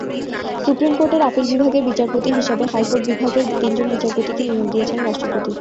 Supreme কোর্টের appeal বিভাগের বিচারপতি হিসেবে হাইকোর্ট বিভাগের তিনজন বিচারপতিকে নিয়োগ দিয়েছেন রাষ্ট্রপতি।